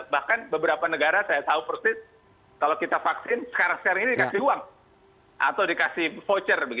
bahkan beberapa negara saya tahu persis kalau kita vaksin sekarang sekarang ini dikasih uang atau dikasih voucher